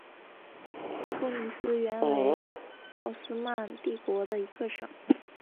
突尼斯原为奥斯曼帝国的一个省。